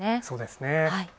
そうですね。